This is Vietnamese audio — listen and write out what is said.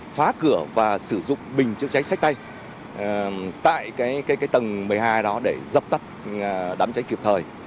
phá cửa và sử dụng bình chữa cháy sách tay tại tầng một mươi hai đó để dập tắt đám cháy kịp thời